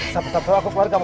sampai sampai aku keluarin kamu